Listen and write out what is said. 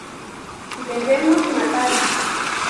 Debemos matar.